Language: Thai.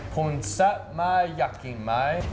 ผมแซ่บมากอยากกินไหม